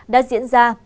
đã diễn ra